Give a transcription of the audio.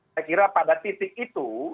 saya kira pada titik itu